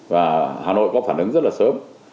và hà nội có phản ứng rất là sớm